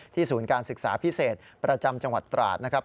ศูนย์การศึกษาพิเศษประจำจังหวัดตราดนะครับ